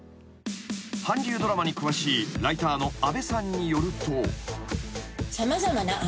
［韓流ドラマに詳しいライターの安部さんによると］